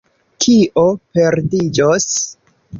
Kio perdiĝos?